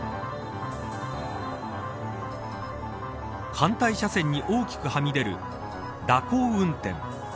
反対車線に大きくはみ出る蛇行運転。